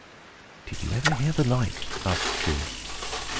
"Did you ever hear the like?" asked she.